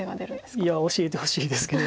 いや教えてほしいですけど。